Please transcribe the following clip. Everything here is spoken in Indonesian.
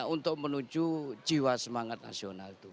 untuk menuju jiwa semangat nasional itu